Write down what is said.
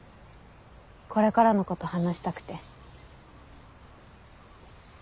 これからのこと話したくて。